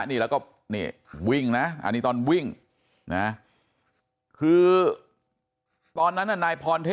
นี่แล้วก็นี่วิ่งนะอันนี้ตอนวิ่งนะคือตอนนั้นน่ะนายพรเทพ